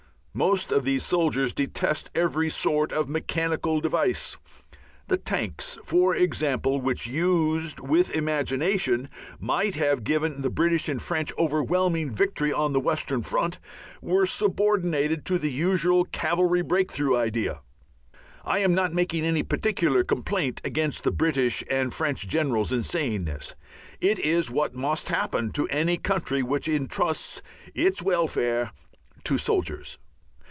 Most of these soldiers detest every sort of mechanical device; the tanks, for example, which, used with imagination, might have given the British and French overwhelming victory on the western front, were subordinated to the usual cavalry "break through" idea. I am not making any particular complaint against the British and French generals in saying this. It is what must happen to any country which entrusts its welfare to soldiers.